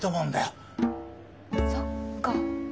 そっか。